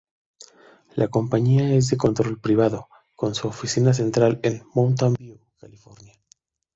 La compañía es de control privado, con su oficina central en Mountain View, California.